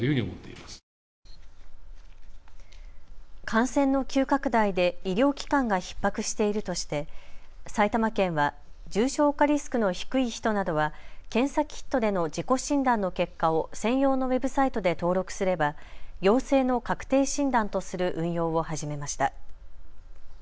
感染の急拡大で医療機関がひっ迫しているとして埼玉県は重症化リスクの低い人などは検査キットでの自己診断の結果を専用のウェブサイトで登録すれば陽性の確定診断とする運用を始めました。